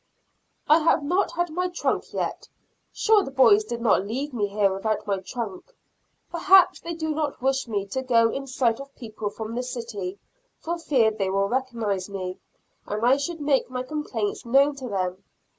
I have not had my trunk yet; sure the boys did not leave me here without my trunk. Perhaps they do not wish me to go in sight of people from the city, for fear they will recognize me, and I should make my complaints known to them.